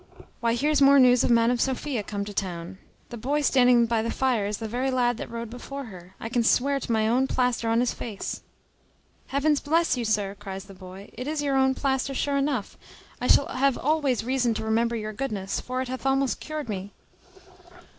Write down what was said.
Why, here's more news of Madam Sophia come to town. The boy there standing by the fire is the very lad that rode before her. I can swear to my own plaister on his face." "Heavens bless you, sir," cries the boy, "it is your own plaister sure enough; I shall have always reason to remember your goodness; for it hath almost cured me."